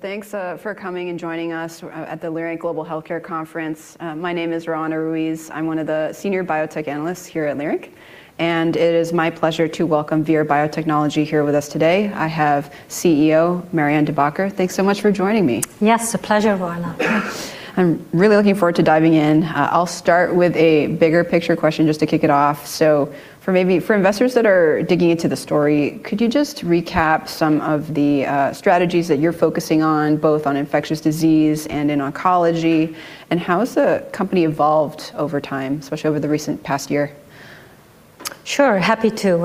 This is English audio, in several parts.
Thanks for coming and joining us at the Leerink Global Healthcare Conference. My name is Roanna Ruiz. I'm one of the senior biotech analysts here at Leerink, and it is my pleasure to welcome Vir Biotechnology here with us today. I have CEO Marianne De Backer. Thanks so much for joining me. Yes, a pleasure, Roanna. I'm really looking forward to diving in. I'll start with a bigger picture question just to kick it off. For investors that are digging into the story, could you just recap some of the strategies that you're focusing on, both on infectious disease and in oncology, and how has the company evolved over time, especially over the recent past year? Sure. Happy to,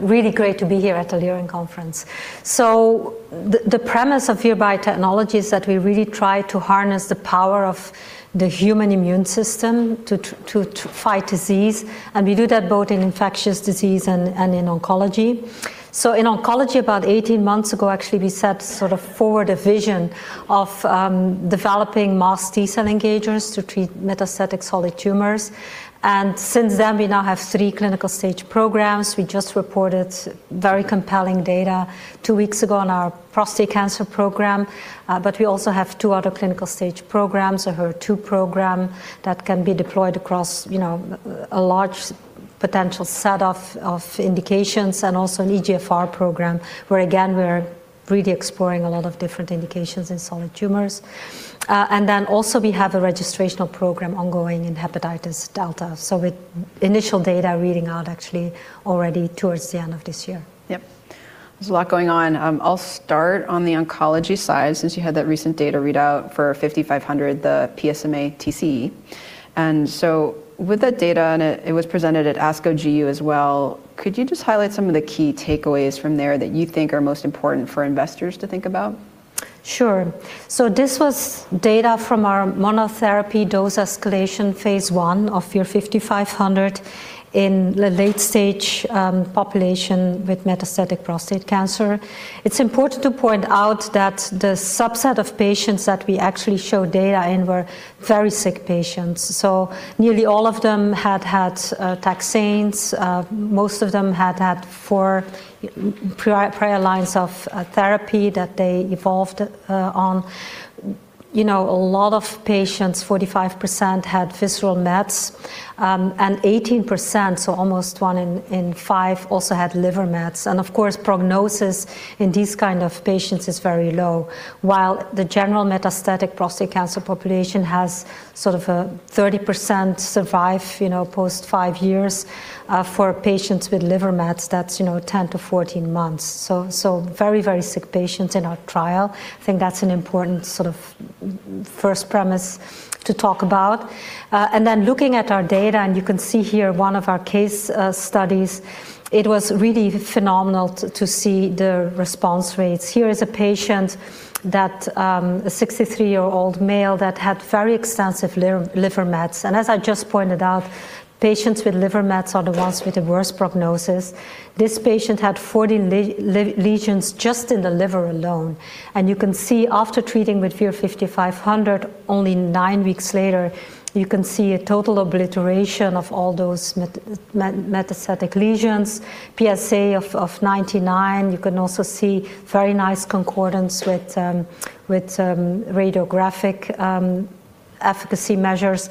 really great to be here at the Leerink conference. The premise of Vir Biotechnology is that we really try to harness the power of the human immune system to to fight disease, and we do that both in infectious disease and in oncology. In oncology, about 18 months ago, actually, we set sort of forward a vision of developing masked T-cell engagers to treat metastatic solid tumors. Since then, we now have three clinical stage programs. We just reported very compelling data two weeks ago on our prostate cancer program, but we also have two other clinical stage programs, a HER2 program that can be deployed across, you know, a large potential set of indications and also an EGFR program where again, we're really exploring a lot of different indications in solid tumors. We have a registrational program ongoing in hepatitis delta, so with initial data reading out actually already towards the end of this year. Yep. There's a lot going on. I'll start on the oncology side since you had that recent data readout for VIR-5500, the PSMA-TCE. With that data, and it was presented at ASCO GU as well, could you just highlight some of the key takeaways from there that you think are most important for investors to think about? Sure. This was data from our monotherapy dose escalation phase I of VIR-5500 in the late-stage population with metastatic prostate cancer. It's important to point out that the subset of patients that we actually show data in were very sick patients, so nearly all of them had had taxanes. Most of them had had four prior lines of therapy that they evolved on. You know, a lot of patients, 45%, had visceral mets, and 18%, so almost one in five, also had liver mets. Of course, prognosis in these kind of patients is very low. While the general metastatic prostate cancer population has sort of a 30% survival, you know, post 5 years, for patients with liver mets, that's, you know, 10-14 months. Very very sick patients in our trial. I think that's an important sort of first premise to talk about. Looking at our data, and you can see here one of our case studies, it was really phenomenal to see the response rates. Here is a patient that, a 63-year-old male that had very extensive liver mets, and as I just pointed out, patients with liver mets are the ones with the worst prognosis. This patient had 40 lesions just in the liver alone, and you can see after treating with VIR-5500 only nine weeks later, you can see a total obliteration of all those metastatic lesions, PSA of 99. You can also see very nice concordance with radiographic efficacy measures.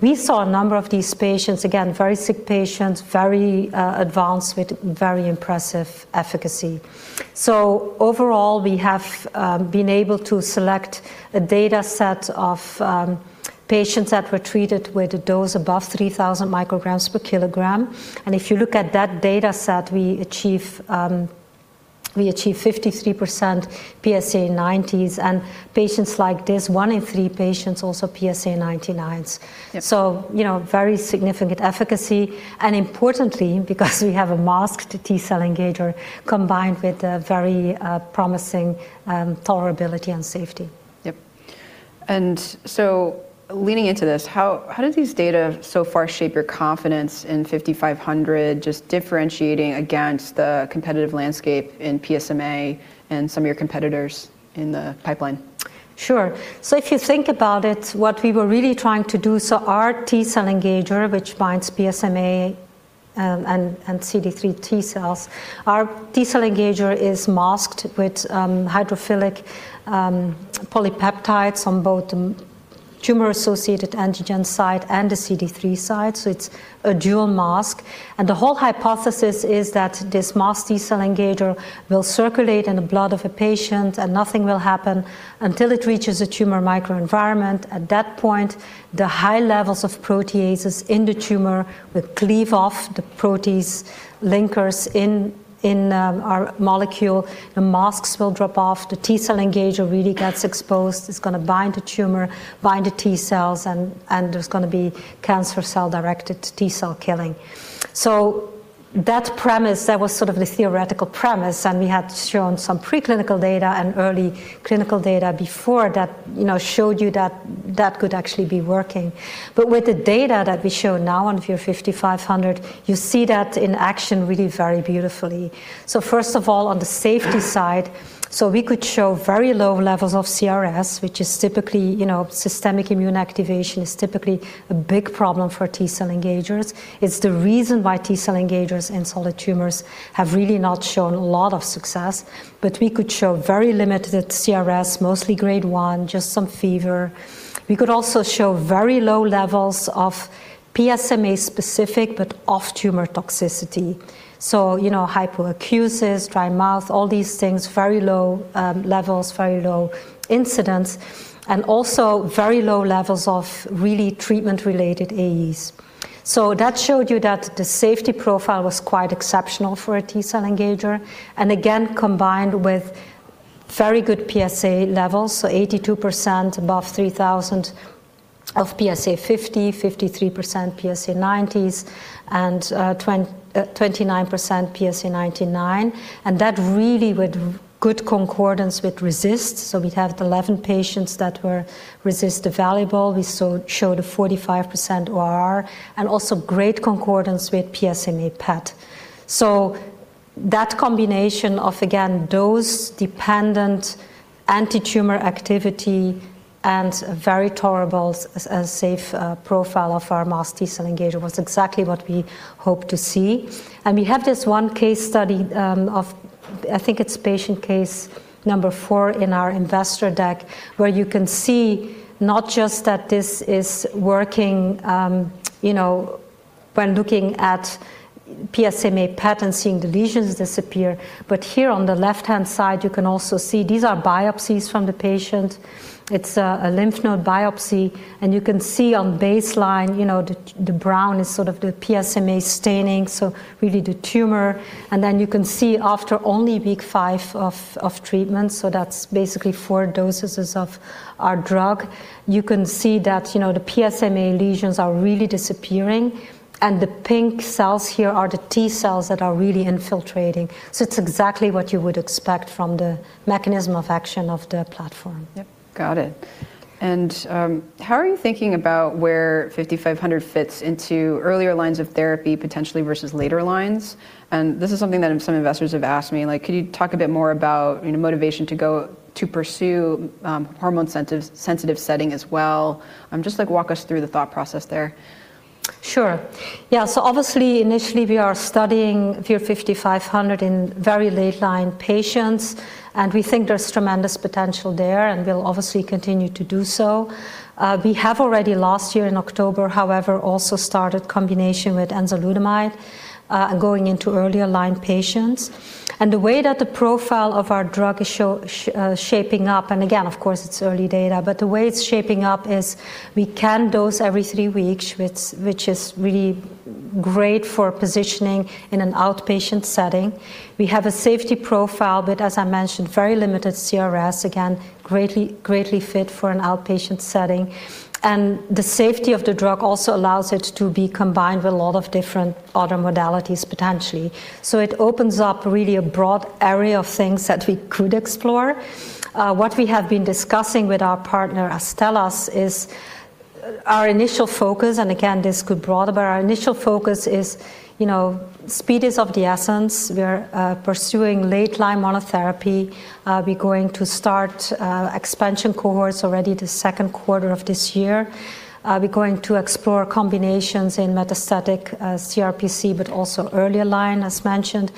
We saw a number of these patients, again, very sick patients, very advanced with very impressive efficacy. Overall, we have been able to select a data set of patients that were treated with a dose above 3,000 micrograms per kilogram. If you look at that data set, we achieve 53% PSA 90s and patients like this, one in three patients also PSA 99s. Yep. You know, very significant efficacy, and importantly, because we have a masked T-cell engager combined with a very promising tolerability and safety. Yep. Leaning into this, how do these data so far shape your confidence in VIR-5500 just differentiating against the competitive landscape in PSMA and some of your competitors in the pipeline? Sure. If you think about it, what we were really trying to do, our T-cell engager, which binds PSMA and CD3 T-cells, our T-cell engager is masked with hydrophilic polypeptides on both tumor-associated antigen side and the CD3 side, so it's a dual mask. The whole hypothesis is that this masked T-cell engager will circulate in the blood of a patient, and nothing will happen until it reaches a tumor microenvironment. At that point, the high levels of proteases in the tumor will cleave off the protease linkers in our molecule. The masks will drop off. The T-cell engager really gets exposed. It's gonna bind the tumor, bind the T-cells, and there's gonna be cancer cell-directed T-cell killing. That premise, that was sort of the theoretical premise, and we had shown some preclinical data and early clinical data before that, you know, showed you that that could actually be working. With the data that we show now on VIR-5500, you see that in action really very beautifully. First of all, on the safety side, so we could show very low levels of CRS, which is typically, you know, systemic immune activation is typically a big problem for T-cell engagers. It's the reason why T-cell engagers in solid tumors have really not shown a lot of success. We could show very limited CRS, mostly grade one, just some fever. We could also show very low levels of PSMA-specific, but off-tumor toxicity. You know, hypolacrimation, dry mouth, all these things, very low levels, very low incidence, and also very low levels of really treatment-related AEs. That showed you that the safety profile was quite exceptional for a T-cell engager, and again, combined with very good PSA levels, so 82% above 3,000 of PSA 50, 53% PSA 90s, and twenty-nine percent PSA 99. That really with good concordance with RECIST. We'd have 11 patients that were RECIST evaluable. We showed a 45% ORR, and also great concordance with PSMA PET. That combination of, again, dose-dependent antitumor activity and very tolerable safe profile of our masked T-cell engager was exactly what we hoped to see. We have this one case study of, I think it's patient case number four in our investor deck, where you can see not just that this is working, you know, when looking at PSMA PET and seeing the lesions disappear, but here on the left-hand side, you can also see these are biopsies from the patient. It's a lymph node biopsy, and you can see on baseline, you know, the brown is sort of the PSMA staining, so really the tumor. Then you can see after only week five of treatment, so that's basically four dosages of our drug, you can see that, you know, the PSMA lesions are really disappearing, and the pink cells here are the T-cells that are really infiltrating. So it's exactly what you would expect from the mechanism of action of the platform. Yep. Got it. How are you thinking about where VIR-5500 fits into earlier lines of therapy, potentially versus later lines? This is something that some investors have asked me, like, could you talk a bit more about, you know, motivation to go to pursue hormone-sensitive setting as well? Just like walk us through the thought process there. Sure. Yeah. Obviously, initially, we are studying VIR-5500 in very late line patients, and we think there's tremendous potential there, and we'll obviously continue to do so. We have already last year in October, however, also started combination with enzalutamide, going into earlier line patients. The way that the profile of our drug is shaping up, and again, of course, it's early data, but the way it's shaping up is we can dose every three weeks, which is really great for positioning in an outpatient setting. We have a safety profile, but as I mentioned, very limited CRS, again, greatly fit for an outpatient setting. The safety of the drug also allows it to be combined with a lot of different other modalities, potentially. It opens up really a broad area of things that we could explore. What we have been discussing with our partner Astellas is our initial focus, and again, this could broaden, but our initial focus is, you know, speed is of the essence. We're pursuing late line monotherapy. We're going to start expansion cohorts already the second quarter of this year. We're going to explore combinations in metastatic CRPC, but also earlier line, as mentioned.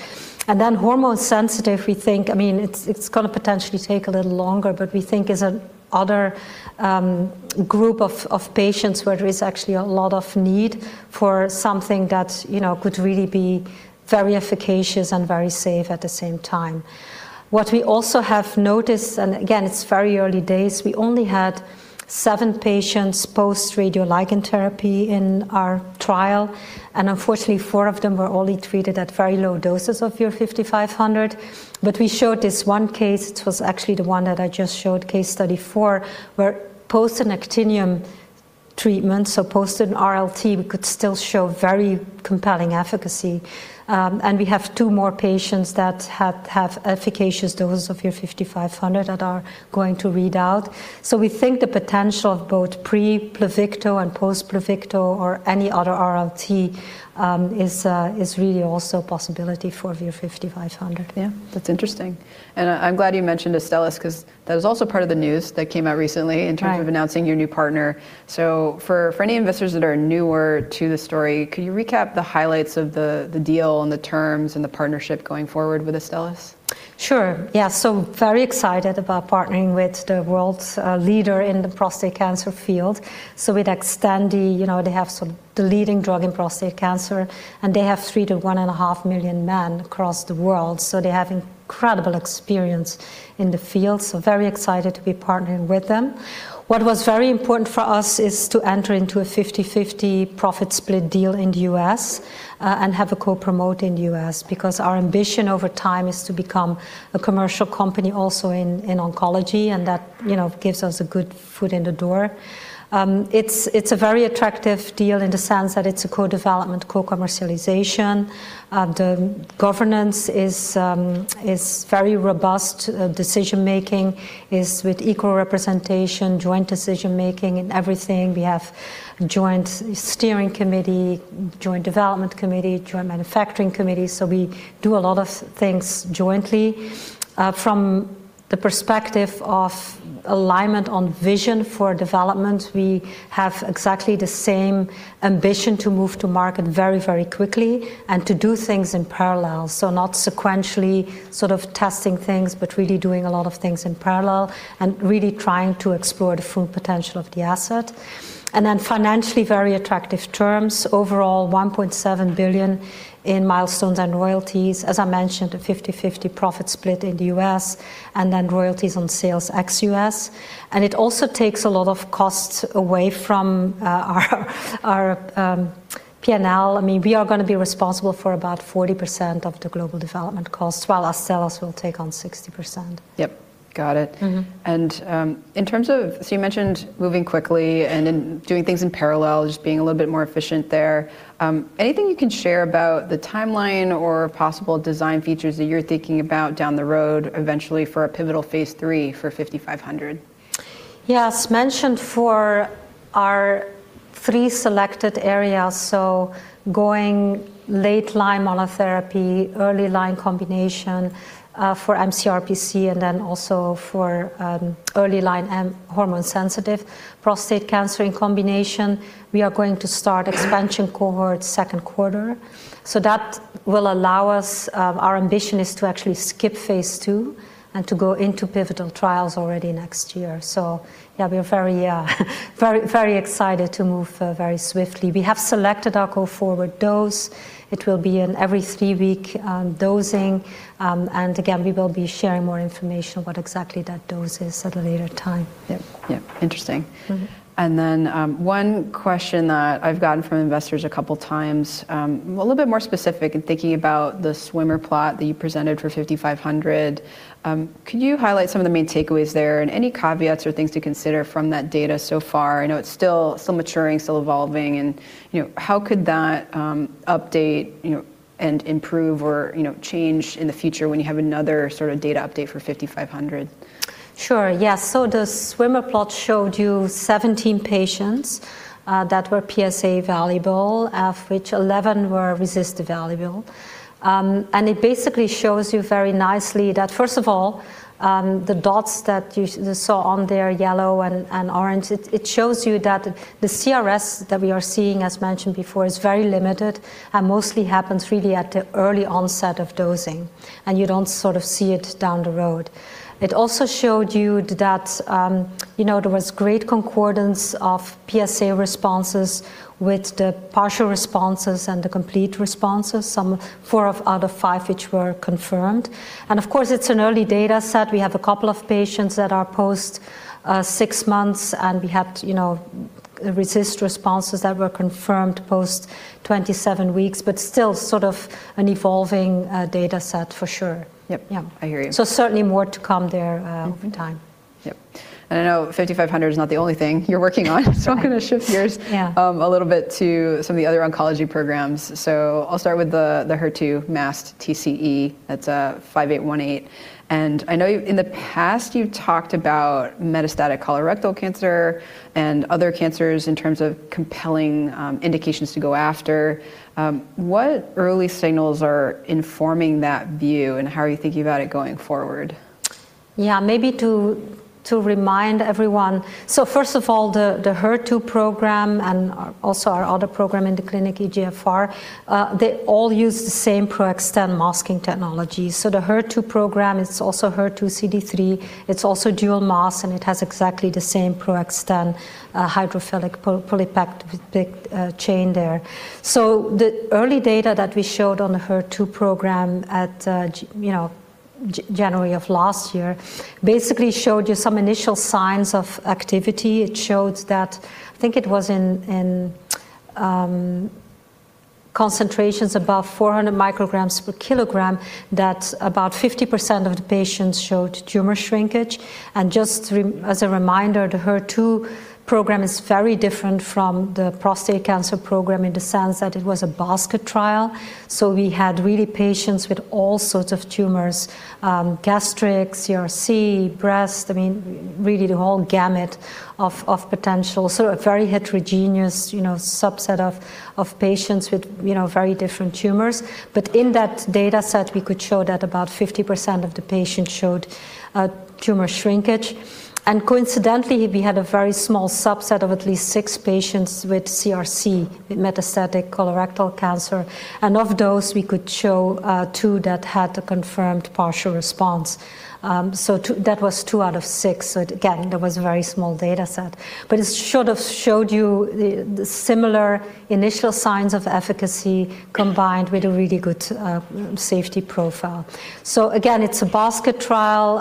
Then hormone sensitive, we think. I mean, it's gonna potentially take a little longer, but we think is another group of patients where there is actually a lot of need for something that, you know, could really be very efficacious and very safe at the same time. What we also have noticed, and again, it's very early days, we only had seven patients post radioligand therapy in our trial, and unfortunately, four of them were only treated at very low doses of VIR-5500. We showed this one case, it was actually the one that I just showed, case study four, where post-actinium treatment, so post an RLT, we could still show very compelling efficacy. We have two more patients that have efficacious dose of VIR-5500 that are going to read out. We think the potential of both pre-Pluvicto and post-Pluvicto or any other RLT is really also a possibility for VIR-5500. Yeah. That's interesting. I'm glad you mentioned Astellas 'cause that was also part of the news that came out recently. Right in terms of announcing your new partner. For any investors that are newer to the story, could you recap the highlights of the deal and the terms and the partnership going forward with Astellas? Sure. Yeah. Very excited about partnering with the world's leader in the prostate cancer field. With Xtandi, you know, they have the leading drug in prostate cancer, and they have 3 to 1.5 million men across the world. They have incredible experience in the field, very excited to be partnering with them. What was very important for us is to enter into a 50-50 profit split deal in the U.S., and have a co-promote in the U.S. because our ambition over time is to become a commercial company also in oncology, and that, you know, gives us a good foot in the door. It's a very attractive deal in the sense that it's a co-development, co-commercialization. The governance is very robust. Decision-making is with equal representation, joint decision-making in everything. We have joint steering committee, joint development committee, joint manufacturing committee, so we do a lot of things jointly. From the perspective of alignment on vision for development, we have exactly the same ambition to move to market very, very quickly and to do things in parallel. Not sequentially sort of testing things, but really doing a lot of things in parallel and really trying to explore the full potential of the asset. Then financially very attractive terms. Overall $1.7 billion in milestones and royalties. As I mentioned, a 50/50 profit split in the U.S. and then royalties on sales ex-U.S. It also takes a lot of costs away from our P&L. I mean, we are gonna be responsible for about 40% of the global development costs, while Astellas will take on 60%. Yep. Got it. Mm-hmm. You mentioned moving quickly and then doing things in parallel, just being a little bit more efficient there. Anything you can share about the timeline or possible design features that you're thinking about down the road eventually for a pivotal phase 3 for VIR-5500? Yes. Mentioned for our three selected areas, going late-line monotherapy, early line combination, for mCRPC, and then also for early line and hormone sensitive prostate cancer in combination. We are going to start expansion cohort second quarter. That will allow us, our ambition is to actually skip phase I and to go into pivotal trials already next year. Yeah, we are very excited to move very swiftly. We have selected our go forward dose. It will be in every 3-week dosing. And again, we will be sharing more information what exactly that dose is at a later time. Yep. Yep. Interesting. Mm-hmm. One question that I've gotten from investors a couple times, a little bit more specific in thinking about the swimmer plot that you presented for VIR-5500. Could you highlight some of the main takeaways there, and any caveats or things to consider from that data so far? I know it's still maturing, still evolving and, you know, how could that update, you know, and improve or, you know, change in the future when you have another sort of data update for VIR-5500? Sure. Yeah. The swimmer plot showed you 17 patients that were PSA evaluable, of which 11 were RECIST evaluable. It basically shows you very nicely that first of all, the dots that you saw on there, yellow and orange, it shows you that the CRS that we are seeing, as mentioned before, is very limited and mostly happens really at the early onset of dosing. You don't sort of see it down the road. It also showed you that you know, there was great concordance of PSA responses with the partial responses and the complete responses, some four out of five which were confirmed. Of course, it's an early data set. We have a couple of patients that are post six months, and we had, you know, RECIST responses that were confirmed post 27 weeks, but still sort of an evolving data set for sure. Yep. Yeah. I hear you. Certainly more to come there, over time. Yep. I know 5,500 is not the only thing you're working on, so I'm gonna shift gears. Yeah A little bit to some of the other oncology programs. I'll start with the HER2 masked TCE, that's 5818. I know in the past you've talked about metastatic colorectal cancer and other cancers in terms of compelling indications to go after. What early signals are informing that view, and how are you thinking about it going forward? Yeah, maybe to remind everyone. First of all, the HER2 program and also our other program in the clinic, EGFR, they all use the same PRO-XTEN masking technology. The HER2 program is also HER2 CD3. It's also dual mask, and it has exactly the same PRO-XTEN hydrophilic polypeptide chain there. The early data that we showed on the HER2 program at January of last year basically showed you some initial signs of activity. It shows that I think it was in concentrations above 400 micrograms per kilogram, that about 50% of the patients showed tumor shrinkage. As a reminder, the HER2 program is very different from the prostate cancer program in the sense that it was a basket trial. We had really patients with all sorts of tumors, gastric, CRC, breast. I mean, really the whole gamut of potential, sort of very heterogeneous, you know, subset of patients with, you know, very different tumors. In that data set, we could show that about 50% of the patients showed tumor shrinkage. Coincidentally, we had a very small subset of at least six patients with CRC, metastatic colorectal cancer. Of those, we could show two that had a confirmed partial response. 2. That was two out of six. Again, that was a very small data set. It should have showed you the similar initial signs of efficacy combined with a really good safety profile. Again, it's a basket trial.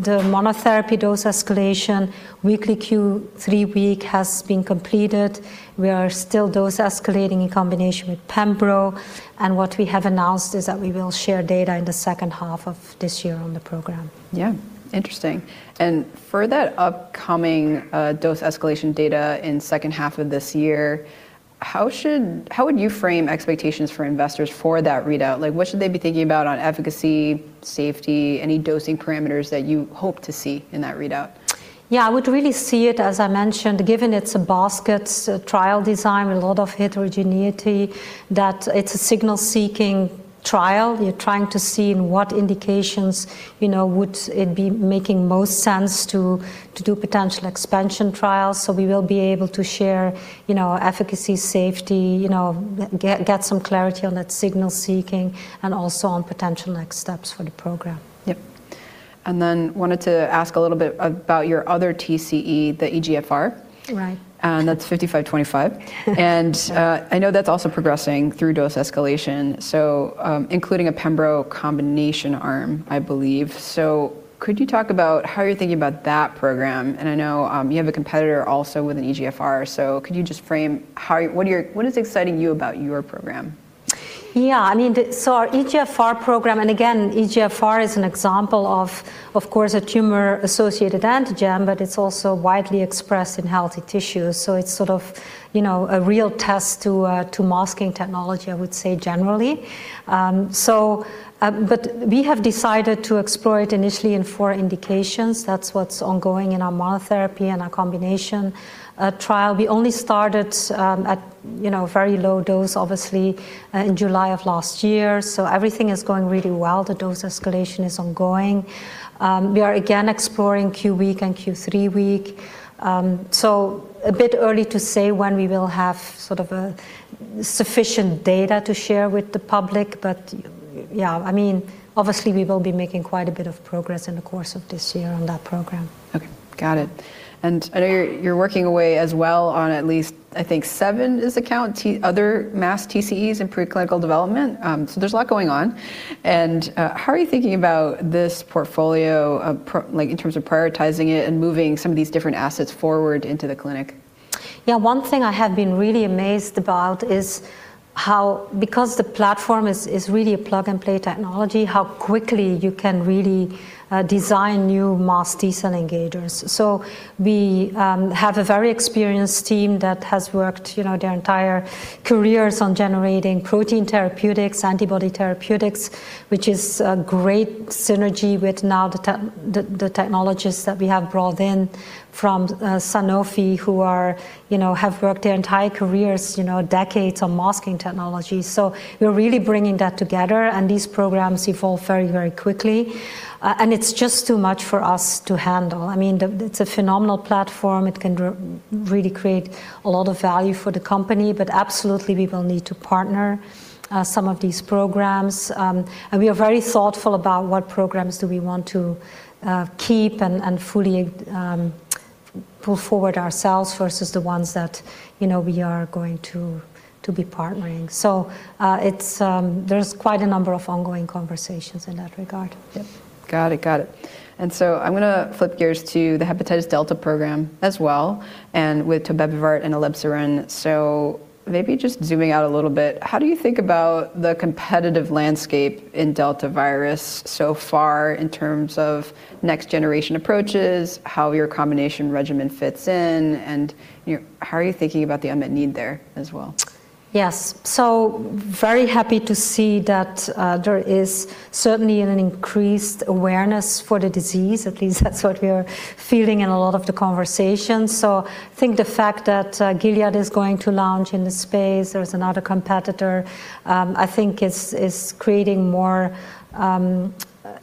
The monotherapy dose escalation weekly Q3W has been completed. We are still dose escalating in combination with pembrolizumab. What we have announced is that we will share data in the second half of this year on the program. Yeah. Interesting. For that upcoming dose escalation data in second half of this year, how would you frame expectations for investors for that readout? Like, what should they be thinking about on efficacy, safety, any dosing parameters that you hope to see in that readout? Yeah, I would really see it, as I mentioned, given it's a basket trial design, a lot of heterogeneity, that it's a signal-seeking trial. You're trying to see in what indications, you know, would it be making most sense to do potential expansion trials. We will be able to share, you know, efficacy, safety, you know, get some clarity on that signal seeking and also on potential next steps for the program. Yep. Wanted to ask a little bit about your other TCE, the EGFR. Right. That's VIR-5525. I know that's also progressing through dose escalation, including a pembrolizumab combination arm, I believe. Could you talk about how you're thinking about that program? I know you have a competitor also with an EGFR. Could you just frame what is exciting you about your program? Yeah. I mean, our EGFR program, and again, EGFR is an example of course, a tumor-associated antigen, but it's also widely expressed in healthy tissues. It's sort of, you know, a real test to masking technology, I would say, generally. But we have decided to explore it initially in four indications. That's what's ongoing in our monotherapy and our combination trial. We only started at, you know, very low dose, obviously, in July of last year. Everything is going really well. The dose escalation is ongoing. We are again exploring Q week and Q three week. A bit early to say when we will have sort of sufficient data to share with the public. Yeah, I mean, obviously we will be making quite a bit of progress in the course of this year on that program. Okay. Got it. I know you're working away as well on at least, I think seven is the count, other masked TCEs in preclinical development. There's a lot going on. How are you thinking about this portfolio of like, in terms of prioritizing it and moving some of these different assets forward into the clinic? Yeah. One thing I have been really amazed about is how because the platform is really a plug-and-play technology, how quickly you can really design new masked T-cell engagers. We have a very experienced team that has worked, you know, their entire careers on generating protein therapeutics, antibody therapeutics, which is a great synergy with now the technologists that we have brought in from Sanofi, who, you know, have worked their entire careers, you know, decades on masking technology. We're really bringing that together, and these programs evolve very, very quickly. It's just too much for us to handle. I mean, it's a phenomenal platform. It can really create a lot of value for the company, but absolutely, we will need to partner some of these programs. We are very thoughtful about what programs do we want to keep and fully pull forward ourselves versus the ones that you know we are going to be partnering. There's quite a number of ongoing conversations in that regard. Yep. Got it. I'm gonna flip gears to the hepatitis delta program as well, and with tobevibart and elebsiran. Maybe just zooming out a little bit, how do you think about the competitive landscape in Delta virus so far in terms of next generation approaches, how your combination regimen fits in, and, you know, how are you thinking about the unmet need there as well? Yes. Very happy to see that there is certainly an increased awareness for the disease. At least that's what we are feeling in a lot of the conversations. I think the fact that Gilead is going to launch in the space, there's another competitor, I think is creating more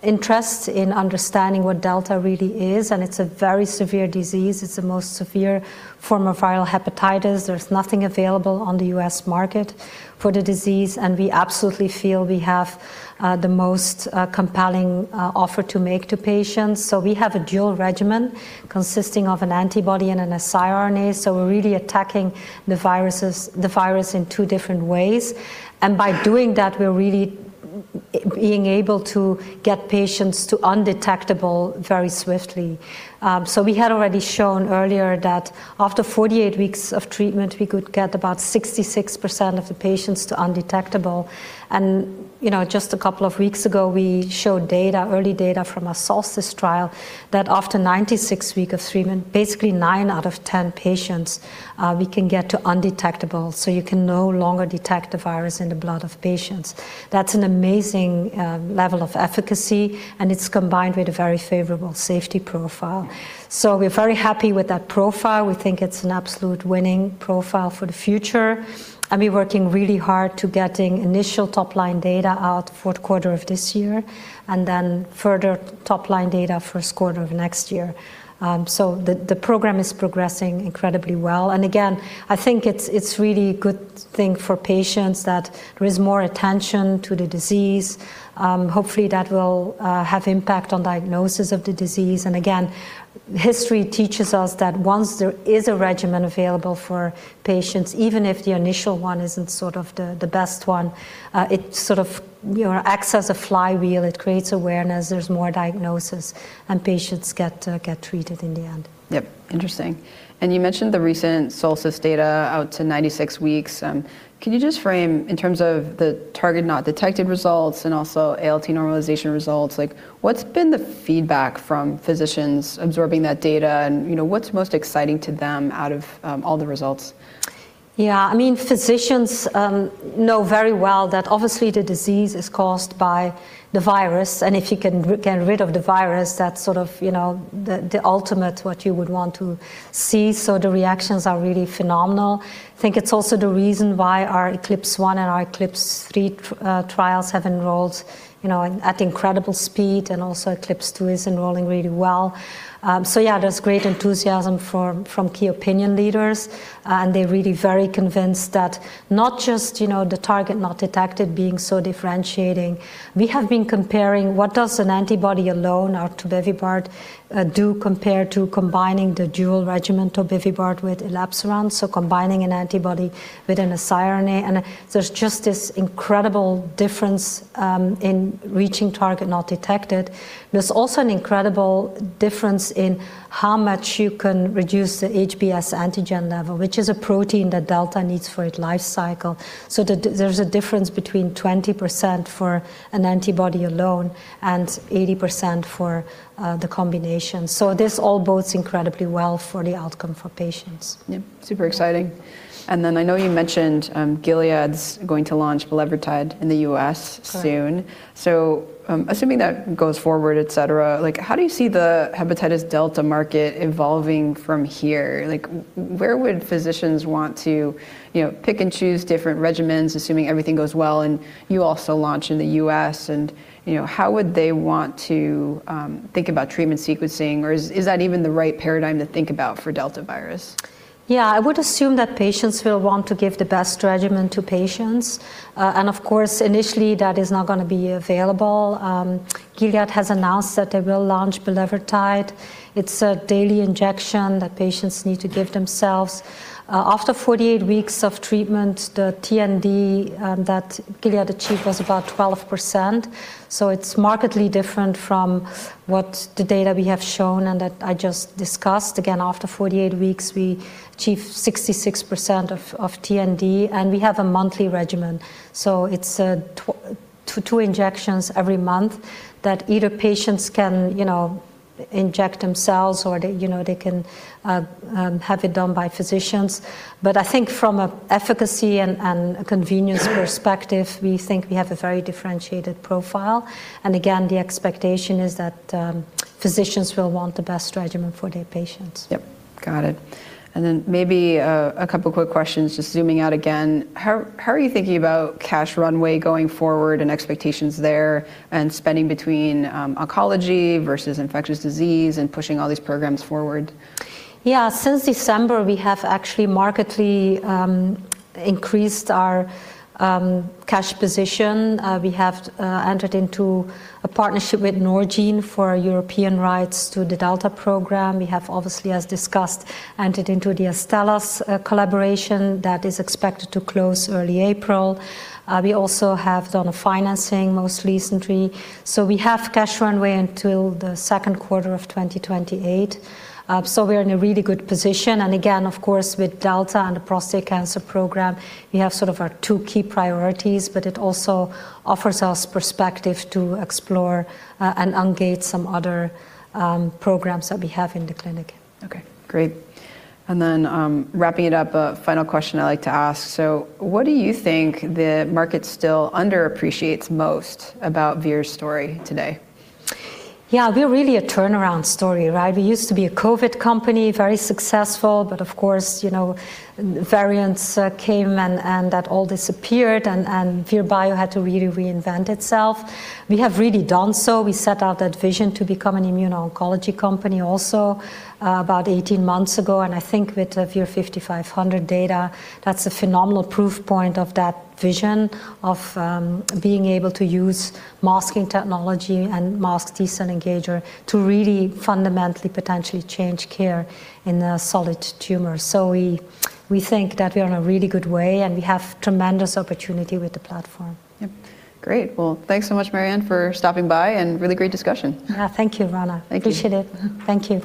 interest in understanding what Delta really is, and it's a very severe disease. It's the most severe form of viral hepatitis. There's nothing available on the US market for the disease, and we absolutely feel we have the most compelling offer to make to patients. We have a dual regimen consisting of an antibody and an siRNA. We're really attacking the virus in two different ways. By doing that, we're really being able to get patients to undetectable very swiftly. We had already shown earlier that after 48 weeks of treatment, we could get about 66% of the patients to undetectable. You know, just a couple of weeks ago, we showed data, early data from our SOLSTICE trial that after 96 weeks of treatment, basically nine out of ten patients, we can get to undetectable, so you can no longer detect the virus in the blood of patients. That's an amazing level of efficacy, and it's combined with a very favorable safety profile. We're very happy with that profile. We think it's an absolute winning profile for the future. We're working really hard to getting initial top-line data out fourth quarter of this year, and then further top-line data first quarter of next year. The program is progressing incredibly well. Again, I think it's really good thing for patients that there is more attention to the disease. Hopefully that will have impact on diagnosis of the disease. Again, history teaches us that once there is a regimen available for patients, even if the initial one isn't sort of the best one, it sort of, you know, acts as a flywheel. It creates awareness. There's more diagnosis, and patients get treated in the end. Yep. Interesting. You mentioned the recent SOLSTICE data out to 96 weeks. Can you just frame in terms of the target not detected results and also ALT normalization results? Like, what's been the feedback from physicians absorbing that data and, you know, what's most exciting to them out of all the results? Yeah, I mean, physicians know very well that obviously the disease is caused by the virus, and if you can get rid of the virus, that's sort of, you know, the ultimate what you would want to see. So the reactions are really phenomenal. I think it's also the reason why our ECLIPSE 1 and our ECLIPSE 3 trials have enrolled, you know, at incredible speed and also ECLIPSE 2 is enrolling really well. So yeah, there's great enthusiasm from key opinion leaders, and they're really very convinced that not just, you know, the target not detected being so differentiating. We have been comparing what does an antibody alone or tobevibart do compare to combining the dual regimen tobevibart with elebsiran, so combining an antibody with an siRNA. There's just this incredible difference in reaching target not detected. There's also an incredible difference in how much you can reduce the HBsAg level, which is a protein that delta needs for its life cycle, so that there's a difference between 20% for an antibody alone and 80% for the combination. This all bodes incredibly well for the outcome for patients. Yep. Super exciting. I know you mentioned Gilead's going to launch bulevirtide in the US. Correct. Assuming that goes forward, et cetera, like how do you see the hepatitis delta market evolving from here? Like where would physicians want to, you know, pick and choose different regimens, assuming everything goes well and you also launch in the U.S. and, you know, how would they want to think about treatment sequencing or is that even the right paradigm to think about for delta virus? Yeah, I would assume that patients will want to give the best regimen to patients. Of course, initially that is not gonna be available. Gilead has announced that they will launch bulevirtide. It's a daily injection that patients need to give themselves. After 48 weeks of treatment, the TND that Gilead achieved was about 12%. It's markedly different from what the data we have shown and that I just discussed. Again, after 48 weeks, we achieved 66% of TND, and we have a monthly regimen. It's two injections every month that either patients can, you know, inject themselves or they, you know, they can have it done by physicians. But I think from an efficacy and a convenience perspective, we think we have a very differentiated profile. Again, the expectation is that physicians will want the best regimen for their patients. Yep. Got it. Maybe a couple quick questions, just zooming out again. How are you thinking about cash runway going forward and expectations there and spending between oncology versus infectious disease and pushing all these programs forward? Yeah. Since December, we have actually markedly increased our cash position. We have entered into a partnership with Norgine for our European rights to the Delta program. We have obviously, as discussed, entered into the Astellas collaboration that is expected to close early April. We also have done a financing most recently. We have cash runway until the second quarter of 2028. We are in a really good position. Again, of course, with Delta and the prostate cancer program, we have sort of our two key priorities, but it also offers us perspective to explore and ungate some other programs that we have in the clinic. Okay. Great. Wrapping it up, a final question I like to ask. What do you think the market still underappreciates most about Vir's story today? Yeah. We're really a turnaround story, right? We used to be a Covid company, very successful. But of course, you know, variants came, and that all disappeared and Vir Bio had to really reinvent itself. We have really done so. We set out that vision to become an immuno-oncology company also about 18 months ago. I think with the VIR-5500 data, that's a phenomenal proof point of that vision of being able to use masking technology and masked T-cell engager to really fundamentally potentially change care in a solid tumor. We think that we are in a really good way, and we have tremendous opportunity with the platform. Yep. Great. Well, thanks so much, Marianne, for stopping by, and really great discussion. Yeah. Thank you, Roanna. Thank you. Appreciate it. Thank you.